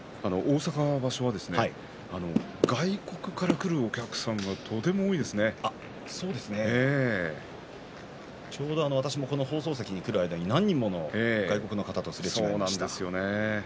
外国から来るお客さんがちょうど放送席に来る間に何人もの外国の方とすれ違いました。